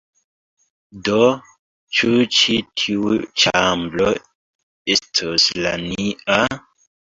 Do, ĉu ĉi tiu ĉambro estos la nia?